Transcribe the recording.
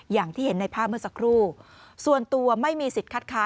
อย่างที่เห็นในภาพเมื่อสักครู่ส่วนตัวไม่มีสิทธิ์คัดค้าน